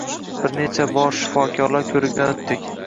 Bir necha bor shifokorlar ko`rigidan o`tdik